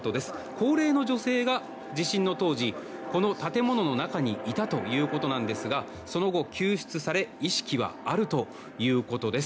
高齢の女性が地震の当時、この建物の中にいたということなんですがその後、救出され意識はあるということです。